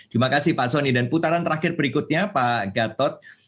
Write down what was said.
terima kasih pak soni dan putaran terakhir berikutnya pak gatot